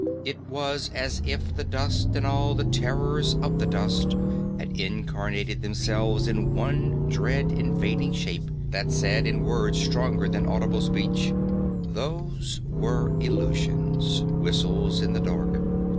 It was as if the dust and all the terrors of the dust had incarnated themselves in one dread invading shape that said in words stronger than audible speech, "Those were illusions, whistles in the dark.